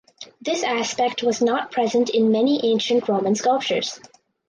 This aspect was not present in many ancient Roman sculptures.